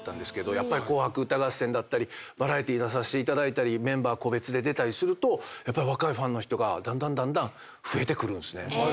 やっぱり『紅白歌合戦』だったりバラエティー出させていただいたりメンバー個別で出たりするとやっぱり若いファンの人がだんだん増えてくるんすね。